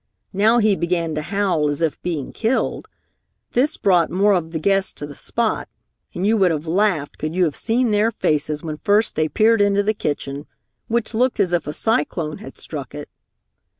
Now he began to howl as if being killed. This brought more of the guests to the spot, and you would have laughed could you have seen their faces when first they peered into the kitchen, which looked as if a cyclone had struck it.